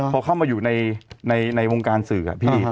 พอเข้ามาอยู่ในวงการสื่อ